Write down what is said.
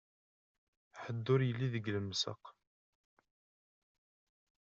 Ḥedd ur yelli deg lemsaq.